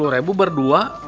sepuluh ribu berdua